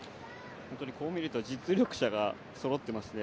こう見ると実力者がそろってますね。